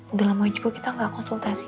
udah lama juga kita gak konsultasi